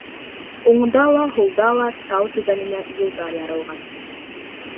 Уңда ла, һулда ла тау түбәненә юлдар ярылған.